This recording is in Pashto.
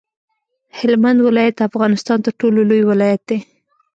هلمند ولایت د افغانستان تر ټولو لوی ولایت دی.